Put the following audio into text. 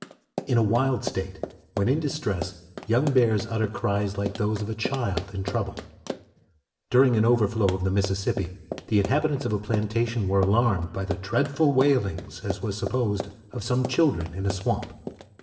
In a wild state, when in distress, young bears utter cries like those of a child in trouble. During an overflow of the Mississippi the inhabitants of a plantation were alarmed by the dreadful wailings, as was supposed, of some children in a swamp.